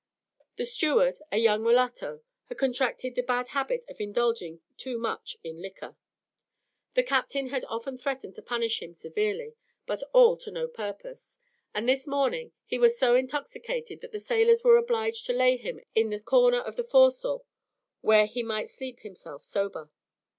The steward, a young mulatto, had contracted the bad habit of indulging too much in liquor. The captain had often threatened to punish him severely, but all to no purpose; and this morning he was so intoxicated that the sailors were obliged to lay him in a corner of the forecastle, where he might sleep himself sober.